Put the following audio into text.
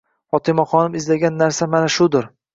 Fotimaxonim izlagan narsa mana shudir.